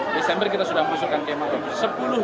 desember kita sudah memusuhkan kemampuan